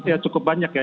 ya cukup banyak ya